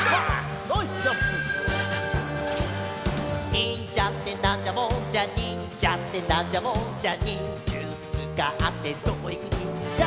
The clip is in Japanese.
「にんじゃってなんじゃもんじゃにんじゃってなんじゃもんじゃ」「にんじゅつつかってどこいくにんじゃ」